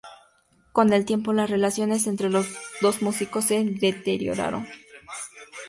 Con el tiempo las relaciones entre los dos músicos se deterioraron.